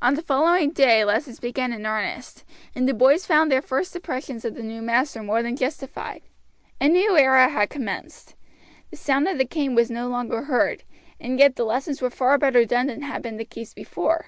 On the following day lessons began in earnest, and the boys found their first impressions of the new master more than justified. A new era had commenced. The sound of the cane was no longer heard, and yet the lessons were far better done than had been the case before.